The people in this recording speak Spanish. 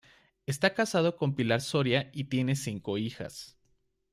Está casado con Pilar Soria y tiene cinco hijas.